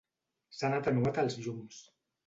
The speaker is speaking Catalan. S'han atenuat els llums.